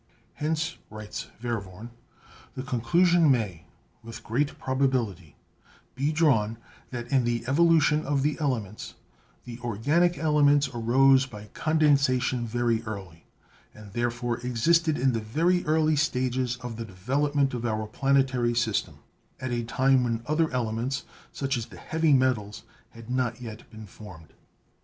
"Hence," writes Verworn, "the conclusion may with great probability be drawn that in the evolution of the elements the organic elements arose by condensation very early, and therefore existed in the very early stages of the development of our planetary system, at a time when other elements, such as the heavy metals, had not yet been formed."